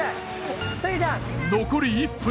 残り１分。